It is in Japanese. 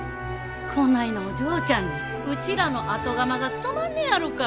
こないなお嬢ちゃんにうちらの後釜が務まんねやろか？